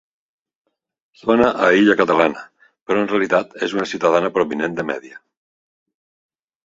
Sona a illa catalana, però en realitat és una ciutadana provinent de Mèdia.